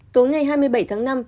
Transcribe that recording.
tối ngày hai mươi bảy tháng năm